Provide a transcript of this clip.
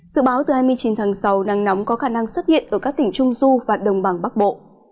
dự báo từ hai mươi chín tháng sáu nắng nóng có khả năng xuất hiện ở các tỉnh trung du và đồng bằng bắc bộ